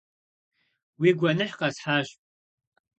- Уи гуэныхь къэсхьащ.